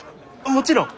もちろん！